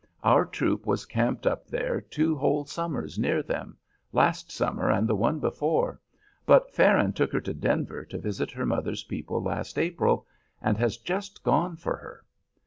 Our troop was camped up there two whole summers near them, last summer and the one before, but Farron took her to Denver to visit her mother's people last April, and has just gone for her.